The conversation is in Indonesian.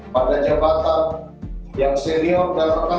pada jabatan yang senior dan pekan pekan